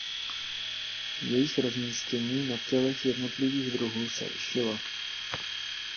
Jejich rozmístění na tělech jednotlivých druhů se lišilo.